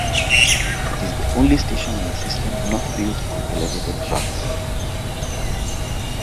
It is the only station on the system not built on elevated tracks.